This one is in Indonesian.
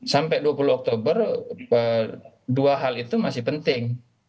sampai dua puluh oktober dua hal itu masih penting